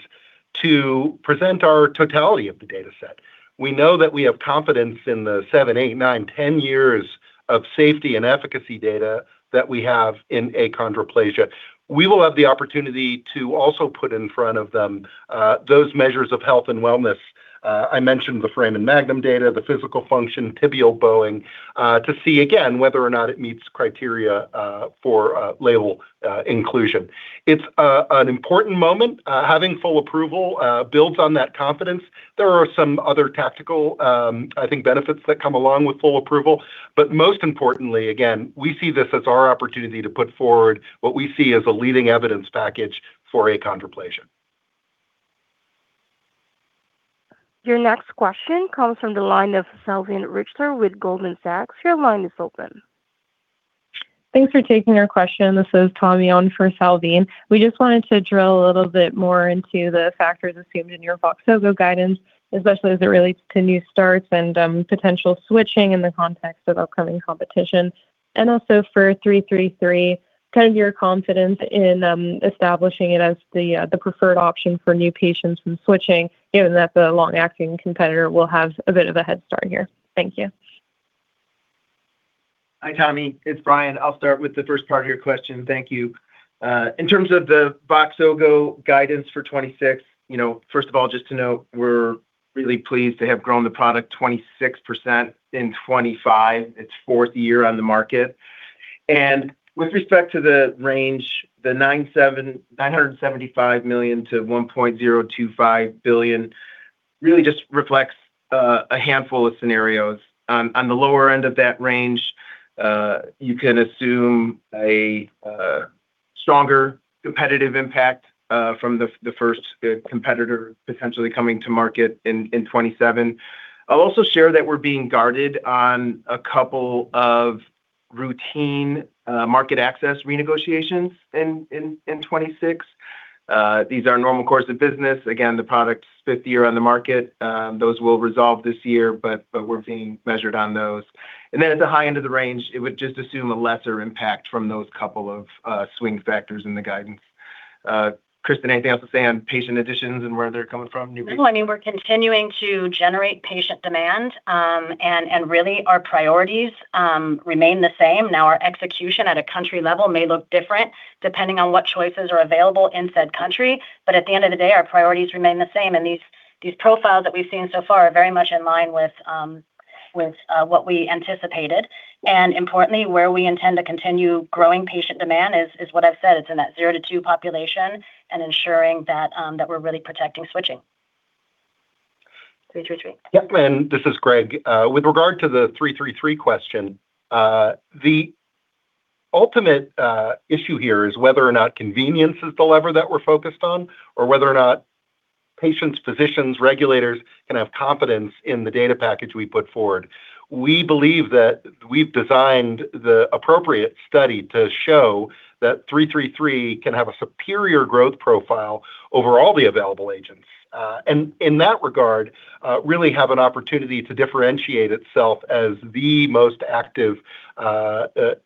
to present our totality of the data set. We know that we have confidence in the seven, eight, nine, 10 years of safety and efficacy data that we have in achondroplasia. We will have the opportunity to also put in front of them, those measures of health and wellness. I mentioned the Foramen Magnum data, the physical function, tibial bowing, to see again, whether or not it meets criteria for label inclusion. It's an important moment. Having full approval builds on that confidence. There are some other tactical, I think, benefits that come along with full approval. Most importantly, again, we see this as our opportunity to put forward what we see as a leading evidence package for achondroplasia. Your next question comes from the line of Salveen Richter with Goldman Sachs. Your line is open. Thanks for taking our question. This is Tommy on for Salveen. We just wanted to drill a little bit more into the factors assumed in your Voxzogo guidance, especially as it relates to new starts and potential switching in the context of upcoming competition. Also for BMN 333, kind of your confidence in establishing it as the preferred option for new patients from switching, given that the long-acting competitor will have a bit of a head start here. Thank you. Hi, Tommy, it's Brian. I'll start with the first part of your question. Thank you. In terms of the Voxzogo guidance for 2026, you know, first of all, just to note, we're really pleased to have grown the product 26% in 2025, its fourth year on the market. With respect to the range, the $975 million-$1.025 billion, really just reflects a handful of scenarios. On the lower end of that range, you can assume a stronger competitive impact from the first competitor potentially coming to market in 2027. I'll also share that we're being guarded on a couple of routine market access renegotiations in 2026. These are normal course of business. The product's fifth year on the market, those will resolve this year, but we're being measured on those. At the high end of the range, it would just assume a lesser impact from those couple of swing factors in the guidance. Cristin, anything else to say on patient additions and where they're coming from, new patients? No, I mean, we're continuing to generate patient demand, and really our priorities remain the same. Now, our execution at a country level may look different depending on what choices are available in said country, but at the end of the day, our priorities remain the same, and these, these profiles that we've seen so far are very much in line with what we anticipated. Importantly, where we intend to continue growing patient demand is, is what I've said, it's in that zero to two population and ensuring that we're really protecting switching. 333. Yep, this is Greg. With regard to the BMN 333 question, the ultimate issue here is whether or not convenience is the lever that we're focused on, or whether or not patients, physicians, regulators, can have confidence in the data package we put forward. We believe that we've designed the appropriate study to show that BMN 333 can have a superior growth profile over all the available agents. In that regard, really have an opportunity to differentiate itself as the most active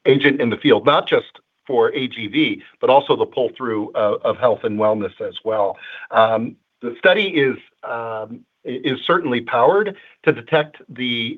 agent in the field, not just for AGV, but also the pull-through of health and wellness as well. The study is certainly powered to detect the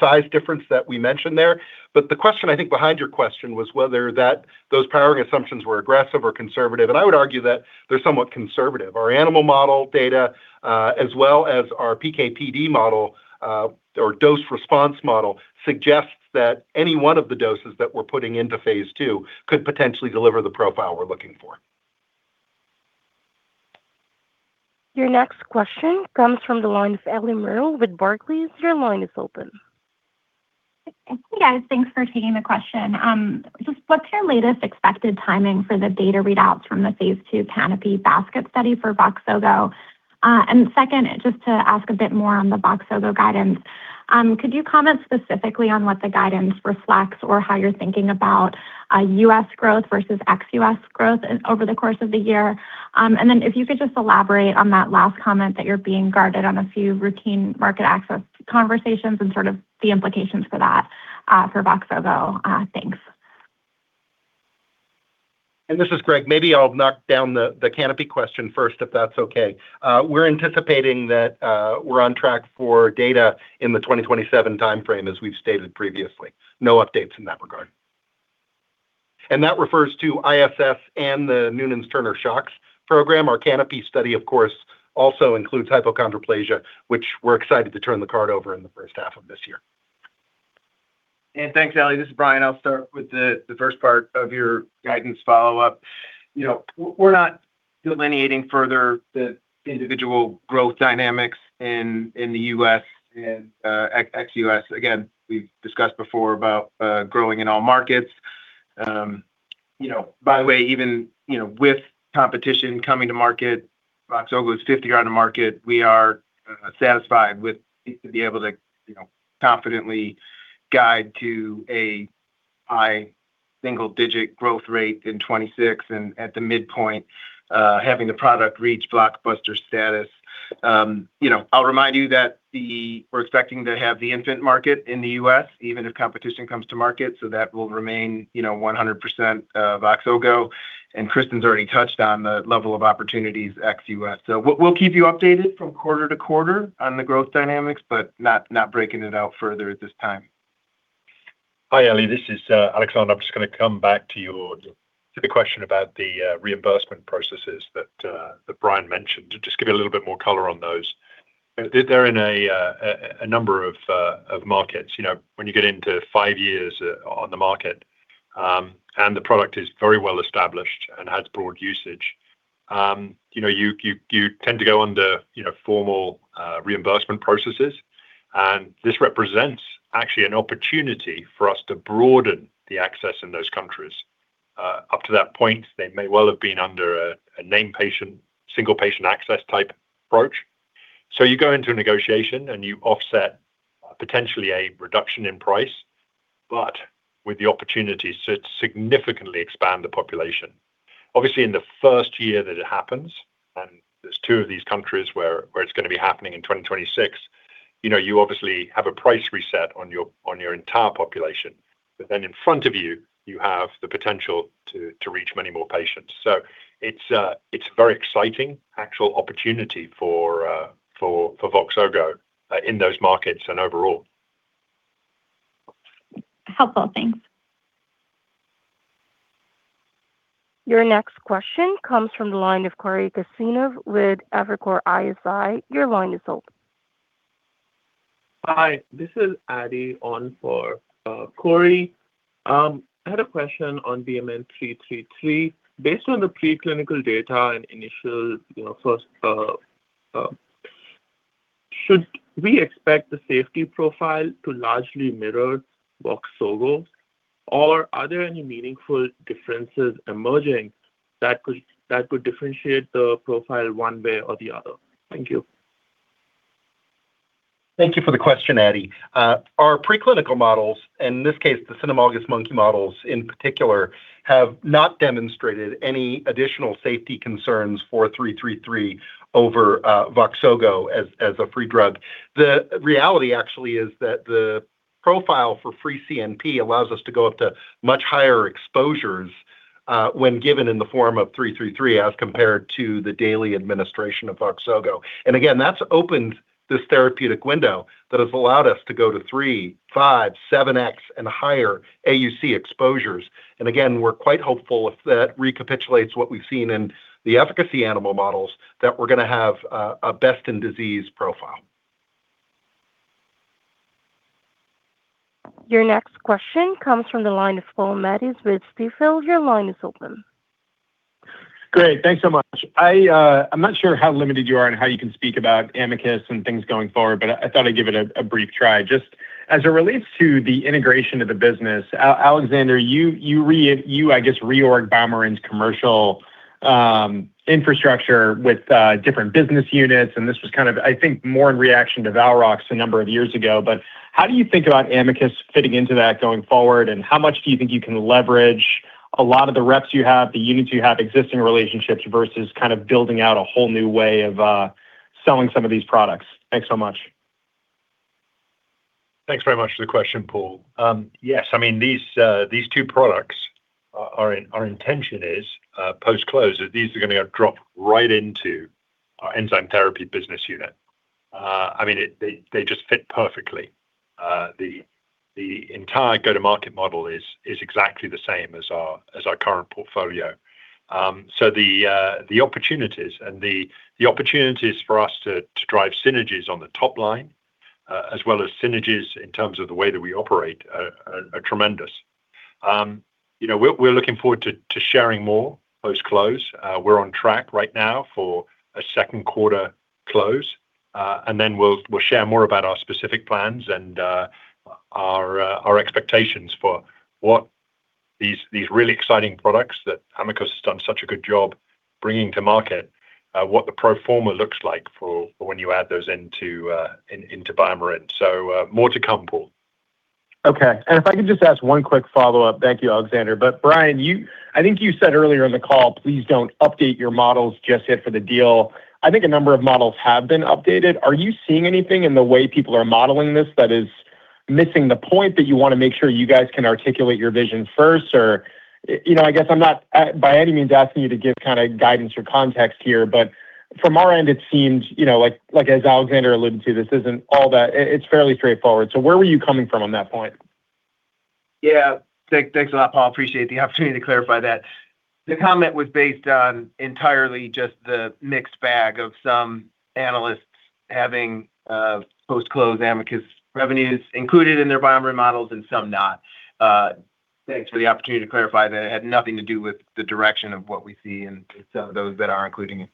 size difference that we mentioned there. The question I think, behind your question was whether that those powering assumptions were aggressive or conservative, and I would argue that they're somewhat conservative. Our animal model data, as well as our PK/PD model, or dose-response model, suggests that any one of the doses that we're putting into phase II could potentially deliver the profile we're looking for. Your next question comes from the line of Gena Wang with Barclays. Your line is open. Yeah, thanks for taking the question. Just what's your latest expected timing for the data readouts from the phase II CANOPY basket study for Voxzogo? Second, just to ask a bit more on the Voxzogo guidance, could you comment specifically on what the guidance reflects or how you're thinking about US growth versus ex-US growth over the course of the year? Then if you could just elaborate on that last comment that you're being guarded on a few routine market access conversations and sort of the implications for that for Voxzogo. Thanks. This is Greg. Maybe I'll knock down the CANOPY question first, if that's okay. We're anticipating that we're on track for data in the 2027 time frame, as we've stated previously. No updates in that regard. That refers to ISS and the Noonan, Turner, SHOX program. Our CANOPY study, of course, also includes hypochondroplasia, which we're excited to turn the card over in the first half of this year. Thanks, Ally. This is Brian. I'll start with the first part of your guidance follow-up. You know, we're not delineating further the individual growth dynamics in the US and ex-US. Again, we've discussed before about growing in all markets. You know, by the way, even, you know, with competition coming to market, Voxzogo is 50 on the market, we are satisfied with be able to, you know, confidently guide to a high single-digit growth rate in 2026, and at the midpoint, having the product reach blockbuster status. You know, I'll remind you that we're expecting to have the infant market in the US, even if competition comes to market, so that will remain, you know, 100% Voxzogo, and Cristin's already touched on the level of opportunities ex-US. We'll keep you updated from quarter to quarter on the growth dynamics, but not breaking it out further at this time. Hi, Ellie, this is Alexander. I'm just going to come back to your, to the question about the reimbursement processes that Brian mentioned. Just give you a little bit more color on those. They're, they're in a number of markets. You know, when you get into five years on the market, and the product is very well established and has broad usage, you know, you, you, you tend to go under, you know, formal reimbursement processes. This represents actually an opportunity for us to broaden the access in those countries. Up to that point, they may well have been under a name patient, single patient access type approach. You go into a negotiation, and you offset potentially a reduction in price, but with the opportunity to significantly expand the population. Obviously, in the first year that it happens, and there's two of these countries where, where it's going to be happening in 2026, you know, you obviously have a price reset on your, on your entire population. Then in front of you, you have the potential to, to reach many more patients. It's a, it's a very exciting actual opportunity for Voxzogo in those markets and overall. Helpful. Thanks. Your next question comes from the line of Cory Kasimov with Evercore ISI. Your line is open. Hi, this is Addie on for Cory. I had a question on BMN 333. Based on the preclinical data and initial, you know, first, should we expect the safety profile to largely mirror Voxzogo, or are there any meaningful differences emerging that could, that could differentiate the profile one way or the other? Thank you. Thank you for the question, Addie. Our preclinical models, and in this case, the cynomolgus monkey models in particular, have not demonstrated any additional safety concerns for 333 over Voxzogo as a free drug. The reality, actually, is that the profile for free CNP allows us to go up to much higher exposures when given in the form of 333, as compared to the daily administration of Voxzogo. Again, that's opened this therapeutic window that has allowed us to go to 3, 5, 7x, and higher AUC exposures. Again, we're quite hopeful if that recapitulates what we've seen in the efficacy animal models, that we're going to have a best-in-disease profile. Your next question comes from the line of Paul Matteis with Stifel. Your line is open. Great. Thanks so much. I, I'm not sure how limited you are and how you can speak about Amicus and things going forward, but I thought I'd give it a, a brief try. Just as it relates to the integration of the business, Alexander, you reorged BioMarin's commercial infrastructure with different business units, and this was kind of, I think, more in reaction to ValRox a number of years ago. How do you think about Amicus fitting into that going forward? How much do you think you can leverage a lot of the reps you have, the units you have, existing relationships, versus kind of building out a whole new way of selling some of these products? Thanks so much. Thanks very much for the question, Paul. Yes, I mean, these, these two products, our, our intention is, post-close, that these are going to drop right into our enzyme therapy business unit. I mean, it, they, they just fit perfectly. The, the entire go-to-market model is, is exactly the same as our, as our current portfolio. The, the opportunities and the, the opportunities for us to, to drive synergies on the top line, as well as synergies in terms of the way that we operate are, are, are tremendous. You know, we're, we're looking forward to, to sharing more post-close. We're on track right now for a 2nd quarter close, and then we'll, we'll share more about our specific plans and, our, our expectations for what these, these really exciting products that Amicus has done such a good job bringing to market, what the pro forma looks like for when you add those into BioMarin. More to come, Paul. Okay. If I could just ask one quick follow-up. Thank you, Alexander. Brian, I think you said earlier in the call, "Please don't update your models just yet for the deal." I think a number of models have been updated. Are you seeing anything in the way people are modeling this that is missing the point, that you want to make sure you guys can articulate your vision first? You know, I guess I'm not by any means asking you to give kind of guidance or context here, but from our end, it seems, you know, like, as Alexander alluded to, this isn't all that... It's fairly straightforward. Where were you coming from on that point? Yeah. Thank, thanks a lot, Paul. I appreciate the opportunity to clarify that. The comment was based on entirely just the mixed bag of some analysts having, post-close Amicus revenues included in their BioMarin models and some not. Thanks for the opportunity to clarify that. It had nothing to do with the direction of what we see and some of those that are including it.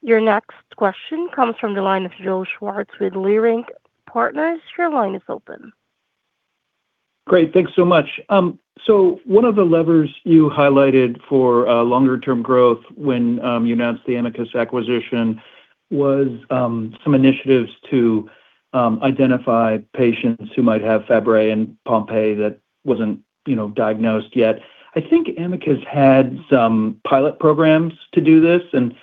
Your next question comes from the line of Joseph Schwartz with Leerink Partners. Your line is open. Great. Thanks so much. One of the levers you highlighted for longer term growth when you announced the Amicus acquisition was some initiatives to identify patients who might have Fabry and Pompe that wasn't, you know, diagnosed yet. I think Amicus had some pilot programs to do this and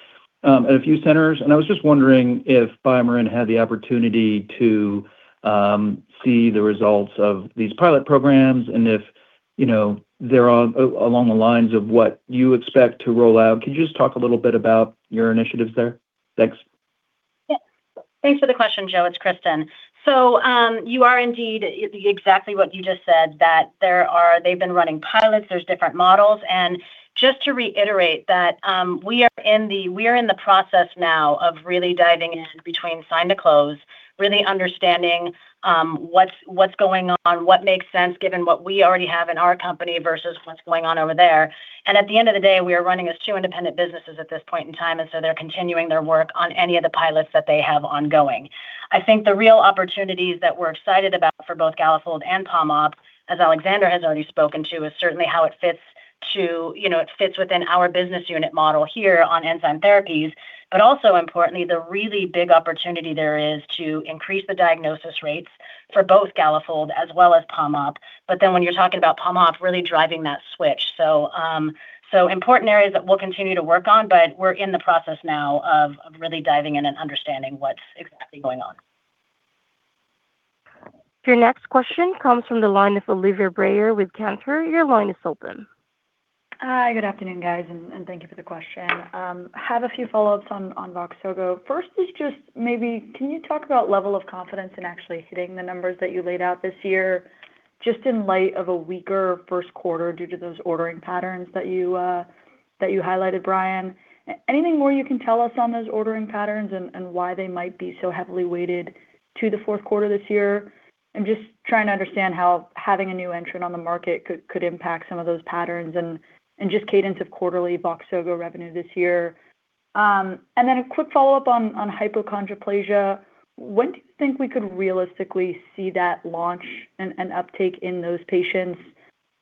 at a few centers, and I was just wondering if BioMarin had the opportunity to see the results of these pilot programs and if. you know, they're on, along the lines of what you expect to roll out. Could you just talk a little bit about your initiatives there? Thanks. Yeah. Thanks for the question, Joe. It's Cristin. You are indeed, it exactly what you just said, that they've been running pilots, there's different models. Just to reiterate that, we are in the process now of really diving in between sign to close, really understanding what's, what's going on, what makes sense, given what we already have in our company versus what's going on over there. At the end of the day, we are running as two independent businesses at this point in time, they're continuing their work on any of the pilots that they have ongoing. I think the real opportunities that we're excited about for both Galafold and Pompe, as Alexander has already spoken to, is certainly how it fits to, you know, it fits within our business unit model here on enzyme therapies. Also importantly, the really big opportunity there is to increase the diagnosis rates for both Galafold as well as Pompe. Then when you're talking about Pompe, really driving that switch. So important areas that we'll continue to work on, but we're in the process now of really diving in and understanding what's exactly going on. Your next question comes from the line of Olivia Brayer with Cantor. Your line is open. Hi, good afternoon, guys, and thank you for the question. Have a few follow-ups on Voxzogo. First is just maybe, can you talk about level of confidence in actually hitting the numbers that you laid out this year, just in light of a weaker first quarter due to those ordering patterns that you highlighted, Brian? Anything more you can tell us on those ordering patterns and why they might be so heavily weighted to the fourth quarter this year? I'm just trying to understand how having a new entrant on the market could impact some of those patterns and just cadence of quarterly Voxzogo revenue this year. Then a quick follow-up on hypochondroplasia. When do you think we could realistically see that launch and uptake in those patients?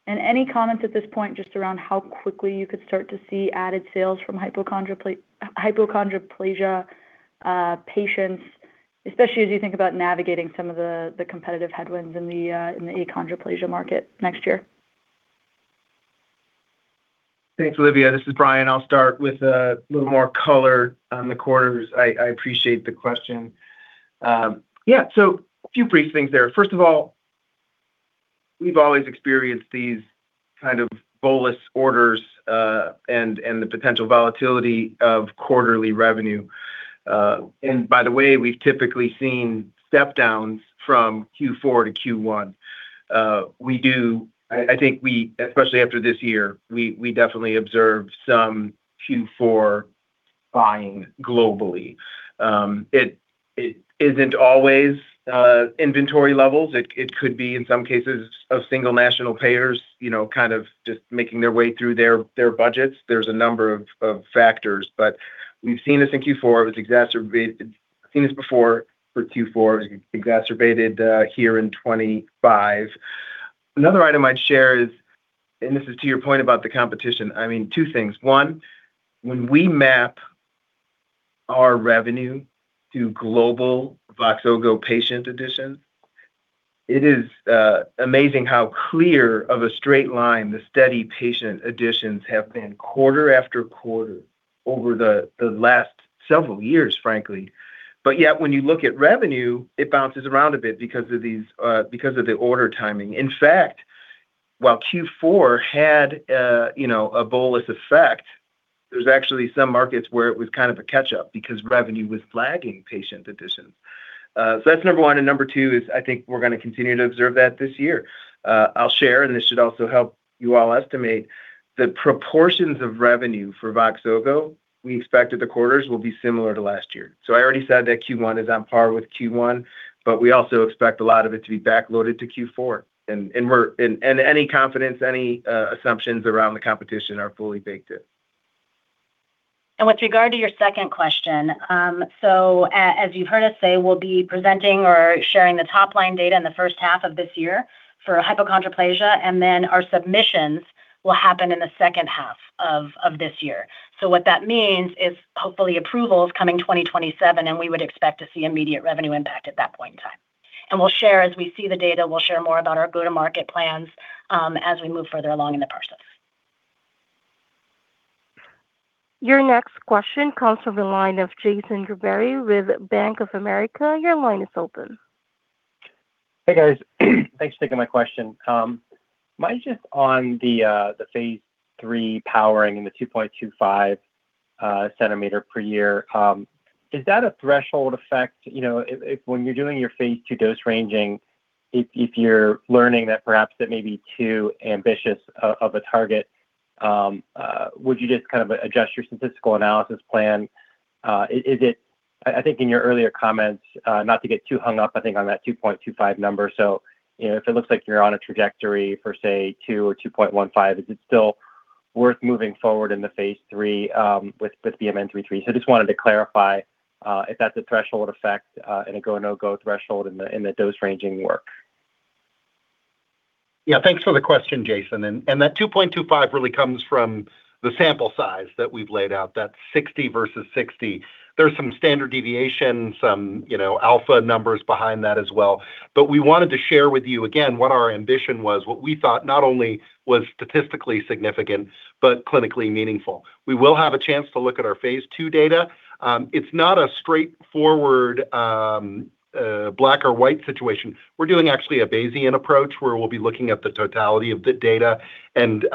Any comments at this point, just around how quickly you could start to see added sales from hypochondroplasia patients, especially as you think about navigating some of the, the competitive headwinds in the achondroplasia market next year? Thanks, Olivia. This is Brian. I'll start with a little more color on the quarters. I, I appreciate the question. Yeah, a few brief things there. First of all, we've always experienced these kind of bolus orders, and, and the potential volatility of quarterly revenue. By the way, we've typically seen step downs from Q4 to Q1. We do-- I, I think we, especially after this year, we, we definitely observed some Q4 buying globally. It, it isn't always, inventory levels. It, it could be, in some cases, of single national payers, you know, kind of just making their way through their, their budgets. There's a number of, of factors, but we've seen this in Q4. It was exacerbated-- seen this before for Q4, exacerbated, here in 2025. Another item I'd share is. This is to your point about the competition. I mean, two things: One, when we map our revenue to global Voxzogo patient additions, it is amazing how clear of a straight line the steady patient additions have been quarter after quarter over the last several years, frankly. Yet, when you look at revenue, it bounces around a bit because of these, because of the order timing. In fact, while Q4 had a, you know, a bolus effect, there's actually some markets where it was kind of a catch-up because revenue was flagging patient additions. That's number one, and number two is, I think we're gonna continue to observe that this year. I'll share, and this should also help you all estimate the proportions of revenue for Voxzogo. We expect that the quarters will be similar to last year. I already said that Q1 is on par with Q1, but we also expect a lot of it to be backloaded to Q4. Any confidence, any assumptions around the competition are fully baked in. With regard to your second question, as you've heard us say, we'll be presenting or sharing the top-line data in the first half of this year for hypochondroplasia, and then our submissions will happen in the second half of this year. What that means is hopefully approval is coming 2027, and we would expect to see immediate revenue impact at that point in time. We'll share, as we see the data, we'll share more about our go-to-market plans, as we move further along in the process. Your next question comes from the line of Jason Gerberry with Bank of America. Your line is open. Hey, guys. Thanks for taking my question. Might just on the phase III powering and the 2.25 centimeter per year, is that a threshold effect? You know, if when you're doing your phase II dose ranging, if you're learning that perhaps that may be too ambitious of a target, would you just kind of adjust your statistical analysis plan? I think in your earlier comments, not to get too hung up, I think, on that 2.25 number. You know, if it looks like you're on a trajectory for, say, 2 or 2.15, is it still worth moving forward in the phase III with BMN 333? I just wanted to clarify, if that's a threshold effect, and a go, or no-go threshold in the, in the dose-ranging work. Yeah, thanks for the question, Jason. And that 2.25 really comes from the sample size that we've laid out. That's 60 versus 60. There's some standard deviation, some, you know, alpha numbers behind that as well. We wanted to share with you, again, what our ambition was, what we thought not only was statistically significant, but clinically meaningful. We will have a chance to look at our phase II data. It's not a straightforward, black or white situation. We're doing actually a Bayesian approach, where we'll be looking at the totality of the data and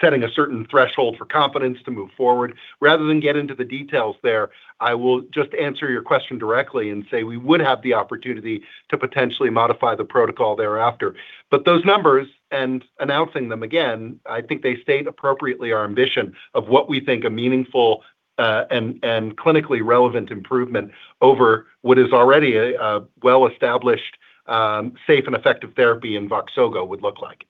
setting a certain threshold for confidence to move forward. Rather than get into the details there, I will just answer your question directly and say we would have the opportunity to potentially modify the protocol thereafter. Those numbers, and announcing them again, I think they state appropriately our ambition of what we think a meaningful, and, and clinically relevant improvement over what is already a, a well-established, safe and effective therapy in Voxzogo would look like.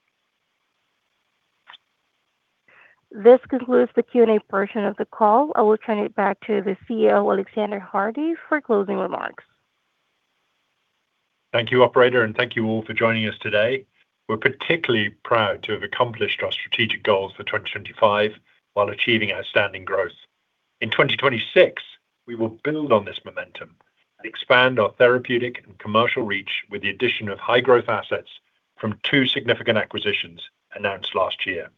This concludes the Q&A portion of the call. I will turn it back to the CEO, Alexander Hardy, for closing remarks. Thank you, operator, and thank you all for joining us today. We're particularly proud to have accomplished our strategic goals for 2025 while achieving outstanding growth. In 2026, we will build on this momentum and expand our therapeutic and commercial reach with the addition of high-growth assets from two significant acquisitions announced last year.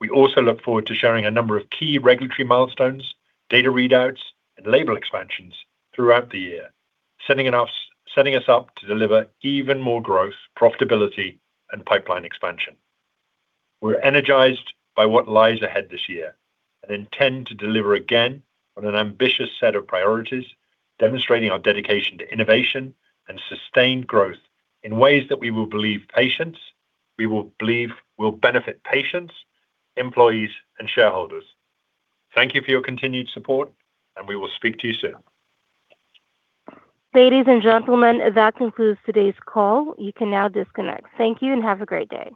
We also look forward to sharing a number of key regulatory milestones, data readouts, and label expansions throughout the year, setting us up to deliver even more growth, profitability, and pipeline expansion. We're energized by what lies ahead this year and intend to deliver again on an ambitious set of priorities, demonstrating our dedication to innovation and sustained growth in ways that we will believe will benefit patients, employees, and shareholders. Thank you for your continued support, and we will speak to you soon. Ladies and gentlemen, that concludes today's call. You can now disconnect. Thank you and have a great day.